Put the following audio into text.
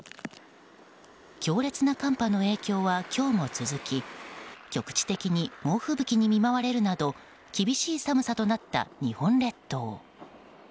強烈な寒波の影響は今日も続き局地的に猛吹雪に見舞われるなど厳しい寒さになった日本列島。